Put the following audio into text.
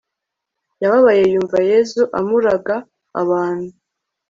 yababaye yumva yezu, amuraga abantu